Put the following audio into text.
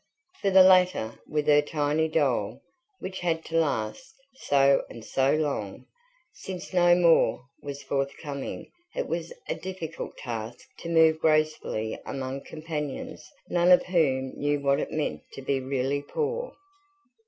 For the latter with her tiny dole, which had to last so and so long, since no more was forthcoming, it was a difficult task to move gracefully among companions none of whom knew what it meant to be really poor.